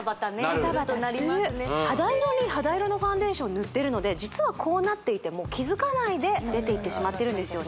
バタバタする肌色に肌色のファンデーション塗ってるので実はこうなっていても気づかないで出ていってしまってるんですよね